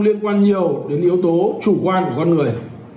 liên quan nhiều đến yếu tố chủ quan của con người